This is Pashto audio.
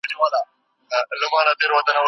که ته د تورو غږونه وپېژنې نو املا دې ښه کېږي.